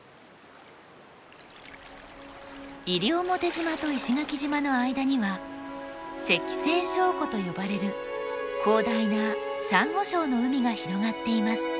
西表島と石垣島の間には石西礁湖と呼ばれる広大なサンゴ礁の海が広がっています。